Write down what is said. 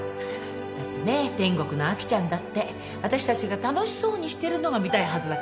だってね天国のアキちゃんだってあたしたちが楽しそうにしてるのが見たいはずだからな。